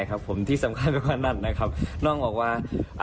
อับไปฟังค่ะ